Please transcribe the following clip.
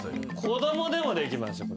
子供でもできます。